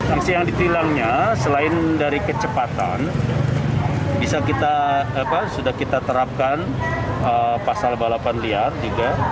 sanksi yang ditilangnya selain dari kecepatan bisa kita sudah kita terapkan pasal balapan liar juga